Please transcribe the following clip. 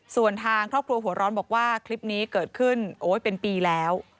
ส่วนทางครอบครัวหัวร้อนบอกว่าคลิปนี้เกิดขึ้นโอ๊ยเป็นปีแล้ว